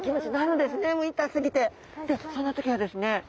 でそんな時はですね